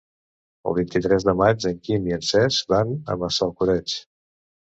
El vint-i-tres de maig en Quim i en Cesc van a Massalcoreig.